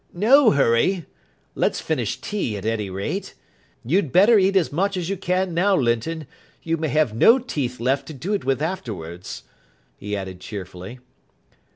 "No hurry. Let's finish tea at any rate. You'd better eat as much as you can now Linton. You may have no teeth left to do it with afterwards," he added cheerfully.